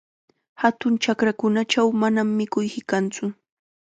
Hatun markakunachaw manam mikuy hiqantsu.